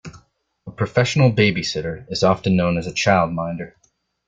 A professional babysitter is often known as a childminder